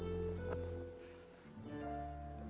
sudah menaiki kebedaan